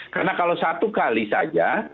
karena kalau satu kali saja